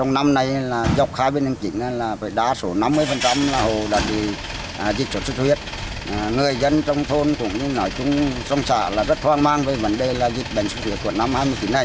người dân trong thôn cũng nói chung trong xã là rất hoang mang về vấn đề là dịch bệnh xuất huyết của năm hai nghìn hai mươi này